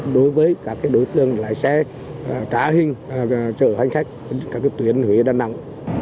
đối với các đối tượng lái xe trá hình chở hành khách trên các tuyến huế đà nẵng